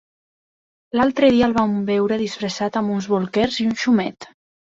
L'altre dia el van veure disfressat amb uns bolquers i un xumet.